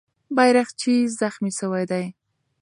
بیرغچی زخمي سوی دی.